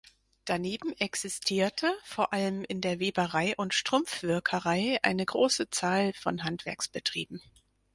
Daneben existierte, vor allem in der Weberei und Strumpfwirkerei, eine große Zahl von Handwerksbetrieben.